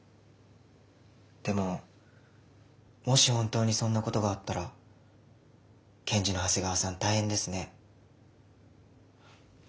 でももし本当にそんなことがあったら検事の長谷川さん大変ですね。